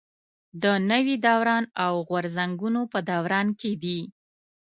د نوي دوران او غورځنګونو په دوران کې دي.